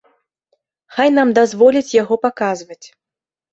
Хай нам дазволяць яго паказваць.